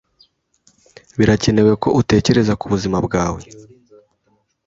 Birakenewe ko utekereza kubuzima bwawe.